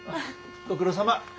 ご苦労さま。